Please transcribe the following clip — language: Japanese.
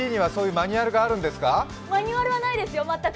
マニュアルはないですよ全く。